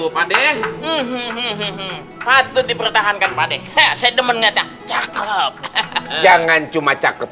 dua ratus dua puluh dua pade hehehe patut dipertahankan pade sedemengnya tak coklat jangan cuma coklat